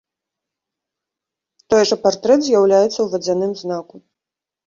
Той жа партрэт з'яўляецца ў вадзяным знаку.